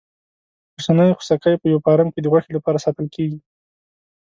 اوسنی خوسکی په یوه فارم کې د غوښې لپاره ساتل کېږي.